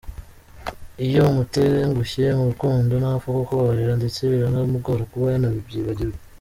Iyo umutengushye mu rukundo ntapfa kukubabarira ndetse biranamugora kuba yanabyibagirwa.